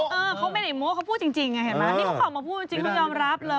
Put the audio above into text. เออเขาไม่ได้โม้เขาพูดจริงไงเห็นไหมนี่เขาออกมาพูดจริงเขายอมรับเลย